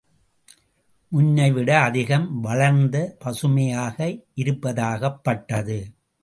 முன்னைவிட அதிகம் வளர்ந்து பசுமையாக இருப்பதாகப்பட்டது.